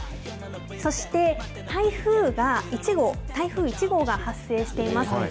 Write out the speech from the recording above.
そして、台風１号、台風１号が発生しています。